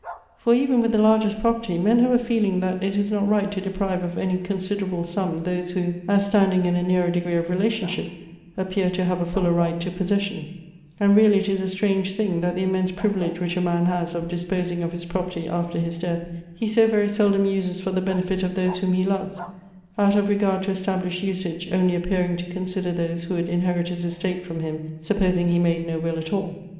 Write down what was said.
For even with the largest property, men have a feeling that it is not right to deprive of any considerable sura, those who, as standing in a nearer degree of relationship, appear to have a fuller right to possession ; and really it is a strange thing, that the immense privilege which a man has of disposing of his property after his death, he so very seldom uses for the benefit of those whom he loves, out of regard to estab lished usage only appearing to consider those who would inherit his estate from him supposing he made no will at all.